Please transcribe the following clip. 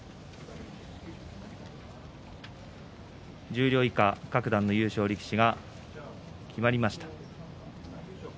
十両以下、各段の優勝力士が決まりました。